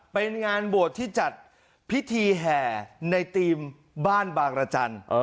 เป็นงานบวชที่จัดพิธีแห่ในทีมบ้านบางรจันทร์